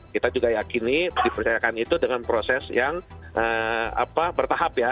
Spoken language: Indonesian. kita juga yakini dipercayakan itu dengan proses yang bertahap ya